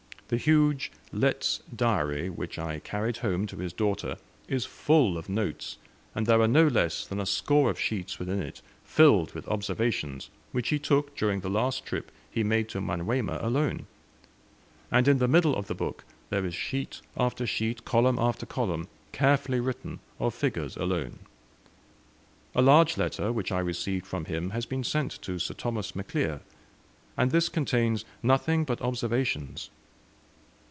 The huge Letts's Diary which I carried home to his daughter is full of notes, and there are no less than a score of sheets within it filled with observations which he took during the last trip he made to Manyuema alone; and in the middle of the book there is sheet after sheet, column after column, carefully written, of figures alone. A large letter which I received from him has been sent to Sir Thomas MacLear, and this contains nothing but observations.